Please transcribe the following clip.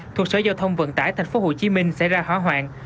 thuộc sở giao thông vận tải tp hcm xảy ra hỏa hoạn